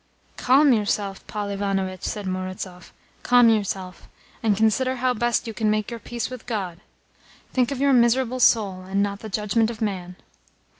"Calm yourself, Paul Ivanovitch," said Murazov. "Calm yourself, and consider how best you can make your peace with God. Think of your miserable soul, and not of the judgment of man."